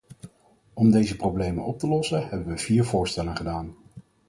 Om deze problemen op te lossen hebben we vier voorstellen gedaan.